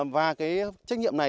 và cái trách nhiệm này